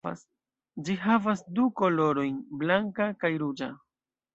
Ĝi havas du kolorojn: blanka kaj ruĝa.